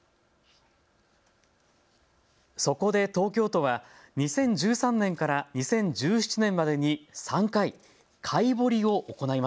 そこで東京都は２０１３年から２０１７年までに３回、かい